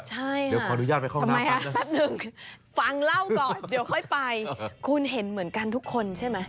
ใช่ค่ะทำไมครับแป๊บหนึ่งฟังเล่าก่อนเดี๋ยวค่อยไปคุณเห็นเหมือนกันทุกคนใช่ไหม